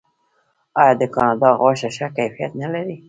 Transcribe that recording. آیا د کاناډا غوښه ښه کیفیت نلري؟